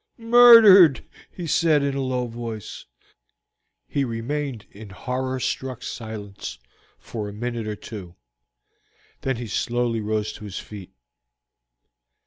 "Murdered!" he said in a low voice; "my father has been murdered." He remained in horror struck silence for a minute or two; then he slowly rose to his feet.